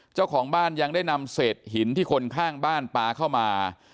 เจ้าของบ้านยังได้นำเศษหินที่คนข้างบ้านปลาเข้ามา